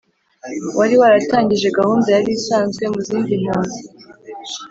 wari waratangije gahunda yarisanzwe muzindi mpunzi